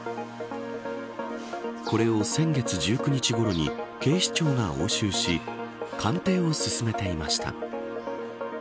これを先月１９日ごろに警視庁が押収し鑑定を進めていました。